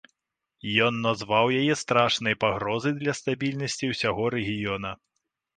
Ён назваў яе страшнай пагрозай для стабільнасці ўсяго рэгіёна.